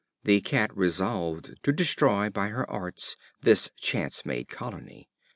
The Cat resolved to destroy by her arts this chance made colony.